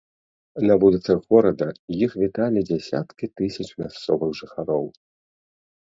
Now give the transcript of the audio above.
На вуліцах горада іх віталі дзясяткі тысяч мясцовых жыхароў.